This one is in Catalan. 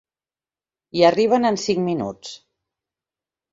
Hi arriben en cinc minuts.